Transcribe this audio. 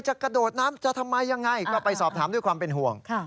กระโดดน้ำจะทำไมยังไงก็ไปสอบถามด้วยความเป็นห่วง